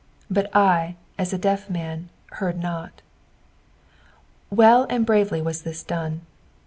"But I, a* a deqf man, heard not." Well and bravely was this done.